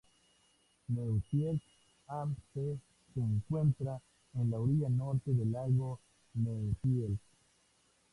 Neusiedl am See se encuentra en la orilla norte del Lago Neusiedl.